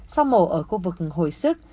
sau mổ ở khu vực hồi sức